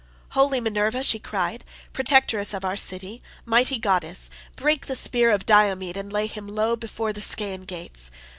"Holy Minerva," she cried, "protectress of our city, mighty goddess, break the spear of Diomed and lay him low before the Scaean gates.